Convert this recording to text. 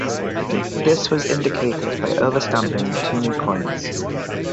This was indicated by over-stamping the two new coins.